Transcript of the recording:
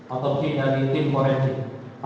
otopsi dari tim forensik